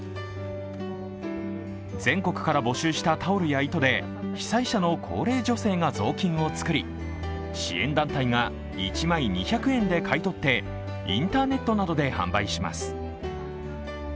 全国から募集したタオルや糸で被災者の高齢女性が雑巾を作り支援団体が１枚２００円で買い取ってインターネットなどで販売します。